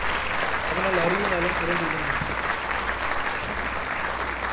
அதனால் அறிவு நலம் சிறந்து விளங்கும்.